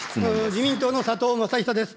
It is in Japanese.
自民党の佐藤正久です。